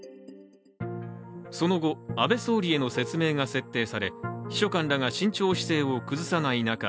その後、安倍総理への説明が設定され秘書官らが慎重姿勢を崩さない中